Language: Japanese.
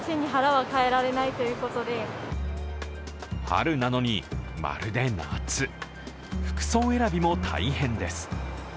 春なのに、まるで夏、服装選びも大変です。